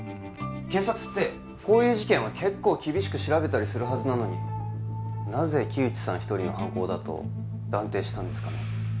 警察ってこういう事件は結構厳しく調べたりするのになぜ木内さん一人の犯行だと断定したんですかね？